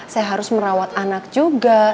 saya harus merawat anak juga